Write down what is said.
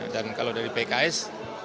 dan kalau dari pks